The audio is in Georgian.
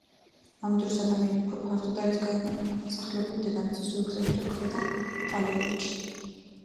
ამ დროის ადამიანი უფრო ფართოდ არის განსახლებული დედამიწის ზურგზე, ვიდრე ქვედა პალეოლითში.